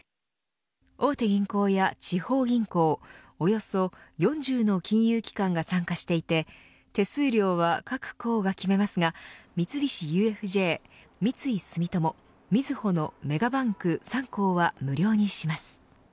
大手銀行や地方銀行およそ４０の金融機関が参加していて手数料は、各行が決めますが三菱ＵＦＪ、三井住友みずほのメガバンク３行は無料にします。